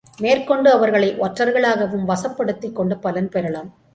மேற்கொண்டு அவர்களை ஒற்றர்களாகவும் வசப்படுத்திக் கொண்டு பலன் பெறலாம்.